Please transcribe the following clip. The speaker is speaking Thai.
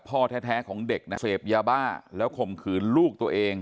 พ่อแท้ของเด็กนะเสพยาบ้าแล้วข่มขืนลูกตัวเอง